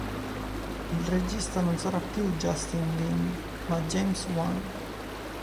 Il regista non sarà più Justin Lin, ma James Wan.